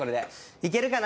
いけるかな。